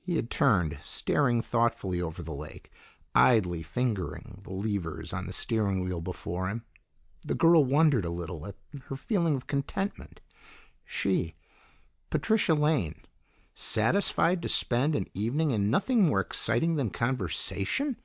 He had turned, staring thoughtfully over the lake, idly fingering the levers on the steering wheel before him. The girl wondered a little at her feeling of contentment; she, Patricia Lane, satisfied to spend an evening in nothing more exciting than conversation!